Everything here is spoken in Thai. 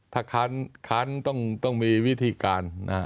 ถ้าค้านต้องมีวิธีการ